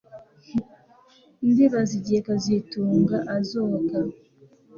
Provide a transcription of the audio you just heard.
Ndibaza igihe kazitunga azoga